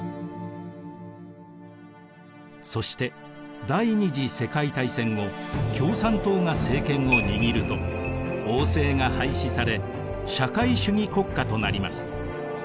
そして第二次世界大戦後共産党が政権を握ると王政が廃止され社会主義国家となります。